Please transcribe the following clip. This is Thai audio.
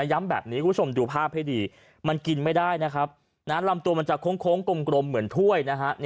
ย้ำแบบนี้คุณผู้ชมดูภาพให้ดีมันกินไม่ได้นะครับลำตัวมันจะโค้งกลมเหมือนถ้วยนะฮะ